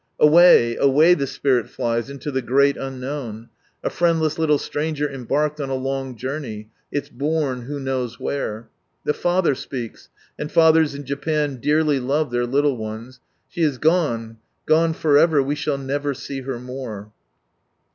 Away, away the spirit flies, into the great unknown, a friendless liltle stranger embarked on a long journey, its bourn who knows where? The father speaks^and fathers in Japan dearly love their little ones —" She is gone, gone for ever, we sfiall never see her more."